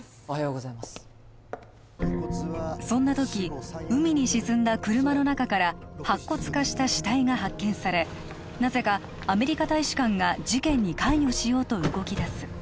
そんな時海に沈んだ車の中から白骨化した死体が発見されなぜかアメリカ大使館が事件に関与しようと動き出す